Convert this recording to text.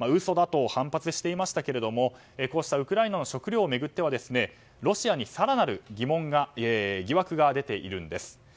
嘘だと反発していましたけれどもこうしたウクライナの食糧を巡ってはロシアに更なる疑惑が出ているんです。